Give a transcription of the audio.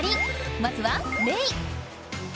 まずはレイ！